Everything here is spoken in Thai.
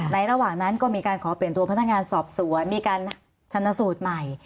ระหว่างนั้นก็มีการขอเปลี่ยนตัวพนักงานสอบสวนมีการชนสูตรใหม่